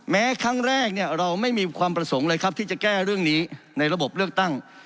แม้ครั้งแรกเราไม่มีความประสงค์เลยครับที่จะแก้เรื่องนี้ในระบบเลือกตั้ง